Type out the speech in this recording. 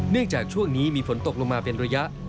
จากช่วงนี้มีฝนตกลงมาเป็นระยะ